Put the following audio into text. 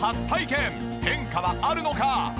変化はあるのか？